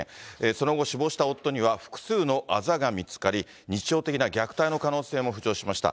その後、死亡した夫には複数のあざが見つかり、日常的な虐待の可能性も浮上しました。